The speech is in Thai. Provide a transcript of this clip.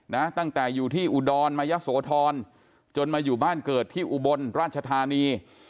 นะตั้งแต่อยู่ที่อุดรมายะโสธรจนมาอยู่บ้านเกิดที่อุบลราชธานี